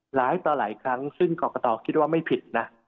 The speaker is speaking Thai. หลายต่อหลายครั้งซึ่งกรกตคิดว่าไม่ผิดนะ